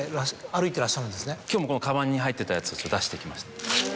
今日もこのカバンに入ってたやつを出してきました。